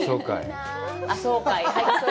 あそうかい。